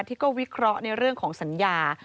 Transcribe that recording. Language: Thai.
ที่ก็วิเคราะห์ในเรื่องของสัญญา